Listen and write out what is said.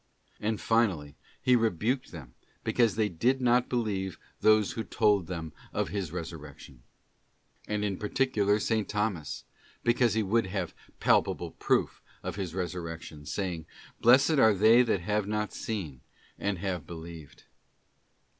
And finally, He rebuked them because they did not believe those who told them of His resurrection ;{ and in par ticular, S. Thomas—because he would have palpable proof of His resurrection—saying ' Blessed are they that have not seen, and have believed.